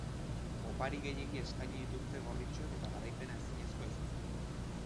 Opari gehiegi eskaini dituzte gorritxoek eta garaipena ezinezkoa izan da.